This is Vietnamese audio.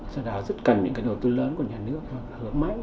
do đó rất cần những đầu tư lớn của nhà nước hướng máy